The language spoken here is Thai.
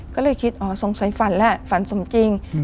ก็เลยคิดอ๋อสงสัยฝันแหละฝันสมจริง